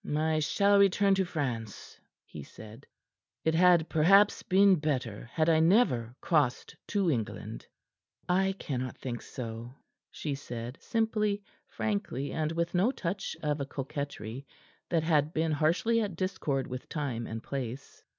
"I shall return to France," he said. "It had perhaps been better had I never crossed to England." "I cannot think so," she said, simply, frankly and with no touch of a coquetry that had been harshly at discord with time and place.